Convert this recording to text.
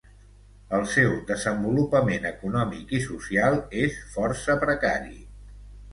El seu desenvolupament econòmic i social és força precari.